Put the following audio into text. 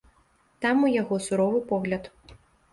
Там у яго суровы погляд.